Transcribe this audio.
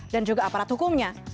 dan juga aparat hukumnya